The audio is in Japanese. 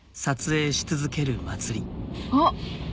あっ！